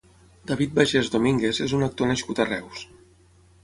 David Bagés Domínguez és un actor nascut a Reus.